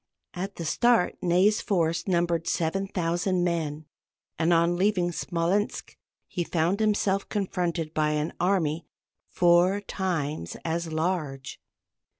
At the start Ney's force numbered 7000 men, and on leaving Smolensk he found himself confronted by an army four times as large.